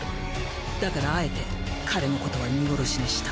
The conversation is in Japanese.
だからあえて彼のことは見殺しにした。